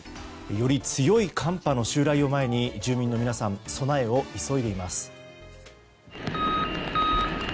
より強い寒波の襲来を前に住民の皆さん備えを急いでいます。